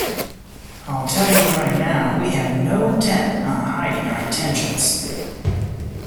I'll tell you right now, we have no intent on hiding our intentions.